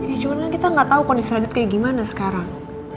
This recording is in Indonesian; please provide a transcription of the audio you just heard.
ya cuman kita gak tau kondisi radit kayak gimana sekarang